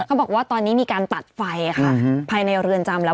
บอกว่าตอนนี้มีการตัดไฟค่ะภายในเรือนจำแล้ว